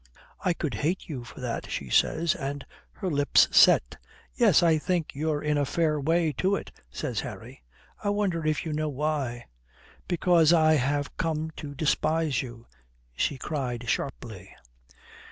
"I could hate you for that," she said, and her lips set. "Yes. I think you're in a fair way to it," says Harry. "I wonder if you know why." "Because I have come to despise you," she cried sharply.